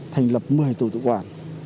thành lập một mươi tổ tự quản